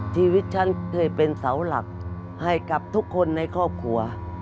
ชีวิตฉันเคยเป็นเสาหลักให้กับทุกคนในครอบครัว